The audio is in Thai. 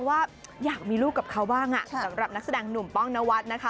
ว่าอยากมีลูกกับเขาบ้างสำหรับนักแสดงหนุ่มป้องนวัดนะคะ